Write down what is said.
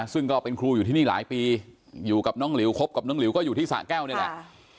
ซึ่งก็เป็นครูอยู่ที่นี่หลายปีอยู่กับน้องหลิวคบกับน้องหลิวก็อยู่ที่สะแก้วนี่แหละ